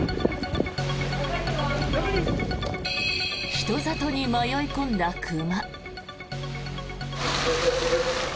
人里に迷い込んだ熊。